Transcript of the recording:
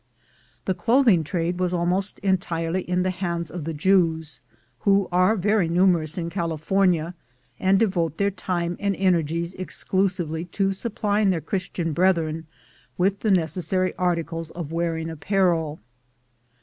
The clothing trade was almost entirely In the hands of the Jews, who are very numerous in California, and devote their time and energies exclusively to sup plying their Christian brethren with the necessary arti cles of wearing apparel.